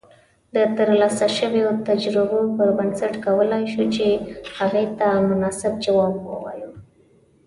د ترلاسه شويو تجربو پر بنسټ کولای شو چې هغې ته مناسب جواب اوایو